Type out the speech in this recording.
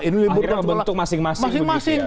akhirnya membentuk masing masing